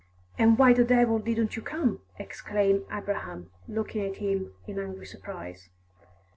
"And why the devil didn't you come?" exclaimed Abraham, looking at him in angry surprise.